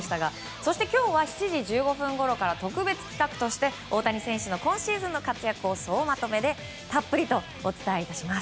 そして今日は７時１５分ごろから特別企画として大谷選手の今シーズンの活躍を総まとめでたっぷりとお伝え致します。